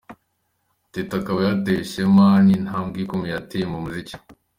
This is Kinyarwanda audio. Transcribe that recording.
Teta akaba yatewe ishema n'intambwe ikomeye ateye mu muziki.